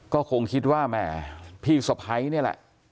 ก็คงคิดว่าแหมพี่สะพ้ายนี่แหละ